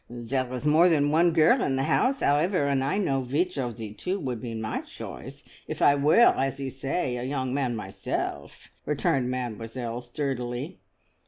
"There is more than one girl in the house, however, and I know vich of the two would be my choice, if I were, as you say, a young man myself," returned Mademoiselle sturdily.